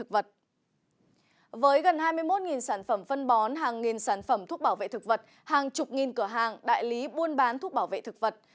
với gần hai mươi một sản phẩm phân bón hàng nghìn sản phẩm thuốc bảo vệ thực vật hàng chục nghìn cửa hàng đại lý buôn bán thuốc bảo vệ thực vật